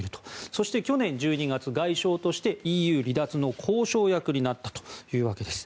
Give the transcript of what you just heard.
そして、去年１２月外相としてＥＵ離脱の交渉役になったというわけです。